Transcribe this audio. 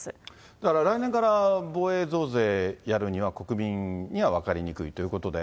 だから来年から、防衛増税やるには国民には分かりにくいということで。